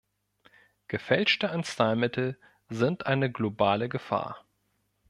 Gefälschte Arzneimittel sind eine globale Gefahr.